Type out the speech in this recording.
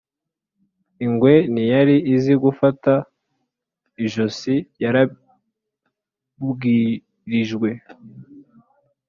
Ingwe ntiyari izi gufata ijosi yarabwirijwe.